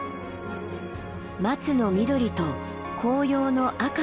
松の緑と紅葉の赤と黄色。